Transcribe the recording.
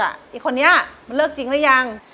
ไอ้คนนี้มันเลิกจริงหรือยัง